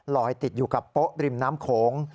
ติดอยู่กับโป๊ะริมน้ำโขง